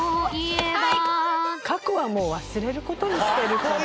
過去はもう忘れる事にしてるから。